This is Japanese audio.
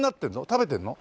食べてるの？